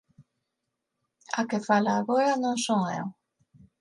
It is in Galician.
A que fala agora non son eu.